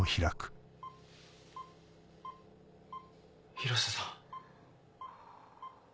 広瀬さん。